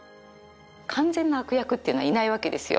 完全な悪役っていうのはいないわけですよ